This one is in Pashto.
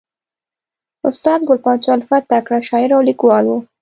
استاد ګل پاچا الفت تکړه شاعر او لیکوال ؤ.